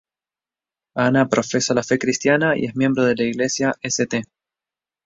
Anna profesa la fe cristiana y es miembro de la iglesia St.